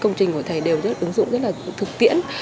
công trình của thầy đều ứng dụng rất thực tiễn